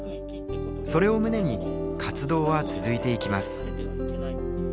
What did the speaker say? それを胸に活動は続いていきます。